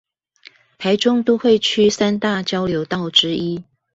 臺中都會區三大交流道之一